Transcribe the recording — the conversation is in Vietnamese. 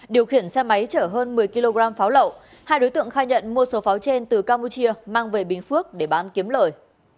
điều khiển xe máy chở hơn một mươi kg pháo lậu hai đối tượng khai nhận mua số pháo trên từ campuchia mang về bình phước để bán kiếm lời